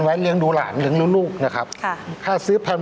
จริงหนูทีละคนหนูยังเหนื่อยเลย